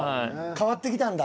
変わってきたんだ。